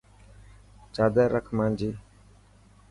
چادر رک مانجي.